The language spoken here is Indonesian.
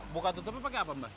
buka tutupnya pakai apa mbak